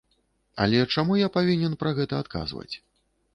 Але чаму я павінен пра гэта адказваць?